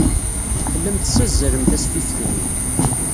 Tellam tessazzalem tasfift-nni.